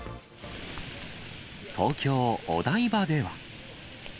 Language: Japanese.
東京・お台場では。